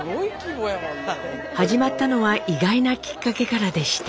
始まったのは意外なきっかけからでした。